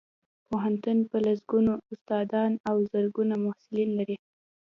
پوهنتون په لسګونو استادان او زرګونه محصلین لري